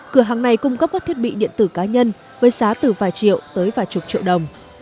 cửa hàng này cung cấp các thiết bị điện tử cá nhân với giá từ vài triệu tới vài chục triệu đồng